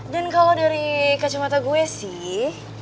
kalau dari kacamata gue sih